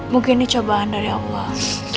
mungkin ini cobaan dari allah